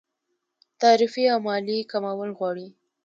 تعرفې او مالیې کمول غواړي.